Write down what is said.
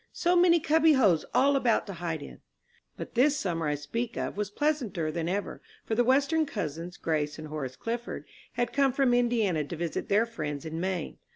So many "cubby holes" all about to hide in! But this summer I speak of was pleasanter than ever; for the Western cousins, Grace and Horace Clifford, had come from Indiana to visit their friends in Maine.